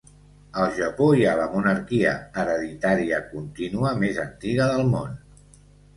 Al Japó hi ha la monarquia hereditària contínua més antiga del món.